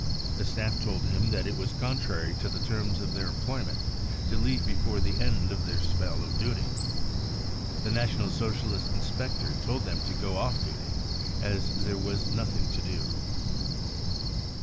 The staff told him that it was contrary to the terms of their employ ment to leave before the end of their spell of duty. The National Socialist inspector told them to go off duty* as there was nothing to do.